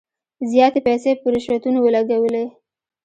زیاتي پیسې په رشوتونو ولګولې.